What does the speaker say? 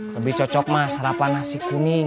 lebih cocok mas sarapan nasi kuning